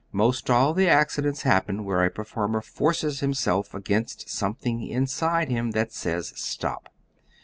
'Most all the accidents happen where a performer forces himself against something inside him that says stop.